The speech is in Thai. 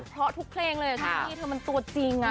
เพราะทุกเพลงเลยพี่เธอมันตัวจริง